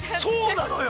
◆そうなのよ。